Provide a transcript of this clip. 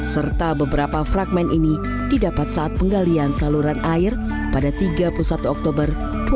serta beberapa fragment ini didapat saat penggalian saluran air pada tiga puluh satu oktober dua ribu dua puluh